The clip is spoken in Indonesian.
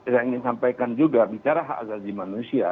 saya ingin sampaikan juga bicara hak azazi manusia